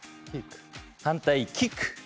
反対側もキック。